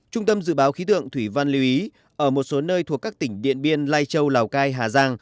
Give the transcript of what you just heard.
trung tâm dự báo khí tượng thủy văn lưu ý ở một số nơi thuộc các tỉnh điện biên lai châu lào cai hà giang